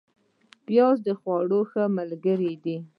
پیاز د خوړو ښه ملګری دی